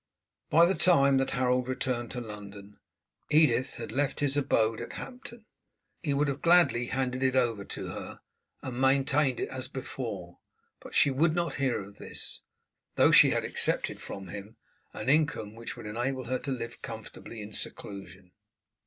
By the time that Harold returned to London Edith had left his abode at Hampton. He would have gladly handed it over to her and maintained it as before, but she would not hear of this, though she had accepted from him an income which would enable her to live comfortably in seclusion.